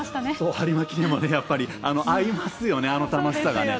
有馬記念もやっぱり、合いますよね、あの楽しさがね。